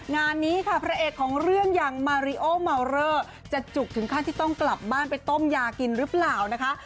งานนี้ค่ะพระเอกของเรื่องอย่างจะจุกถึงขั้นที่ต้องกลับบ้านไปต้มยากินรึเปล่านะคะ